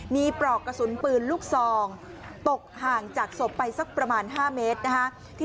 มีปลอกกระสุนปืนลูกซองตกห่างจากศพไปสักประมาณ๕เมตรนะคะ